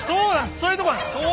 そういうところか。